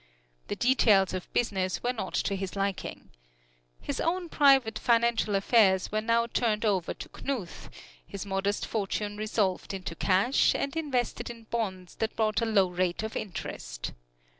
The details of business were not to his liking. His own private financial affairs were now turned over to Knuth, his modest fortune resolved into cash and invested in bonds that brought a low rate of interest.